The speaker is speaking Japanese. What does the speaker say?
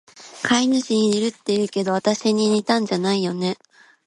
飼い主に似るって言うけど、わたしに似たんじゃないよね？